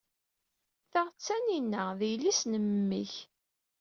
Ta d Nina, d yelli-s n memmi-k.